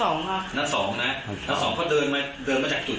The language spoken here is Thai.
เดินเข้ามาอีกนิดเดียว